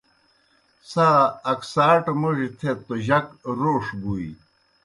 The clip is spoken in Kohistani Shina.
څھا اکساٹہ موْڙیْ تھیت توْ جک روݜ بُوئے۔